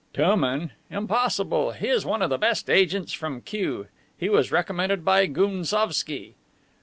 "Touman! Impossible! He is one of the best agents from Kiew. He was recommended by Gounsovski."